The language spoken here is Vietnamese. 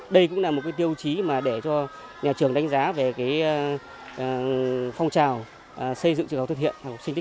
đây cũng là một tiêu chí mà để cho nhà trường đánh giá về phong trào xây dựng trường học thực hiện